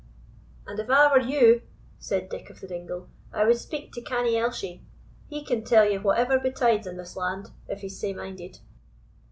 "And if I were you," said Dick of the Dingle, "I would speak to Canny Elshie. He can tell you whatever betides in this land, if he's sae minded."